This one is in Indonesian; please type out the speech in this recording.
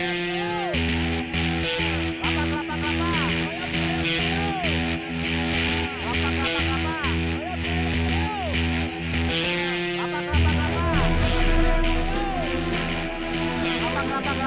lapa kelapa kelapa